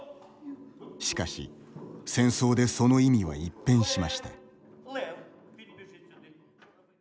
しかし戦争でその意味は一変しました。